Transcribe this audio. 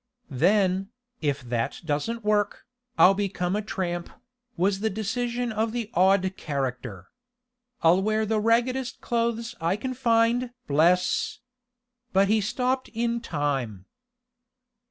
"Then, if that doesn't work, I'll become a tramp," was the decision of the odd character. "I'll wear the raggedest clothes I can find Bless " But he stopped in time.